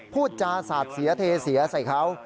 พูดจาสาดเสียเทเสียใส่เขา